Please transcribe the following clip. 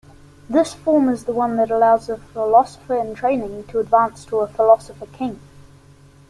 This form is the one that allows a philosopher-in-training to advance to a philosopher-king.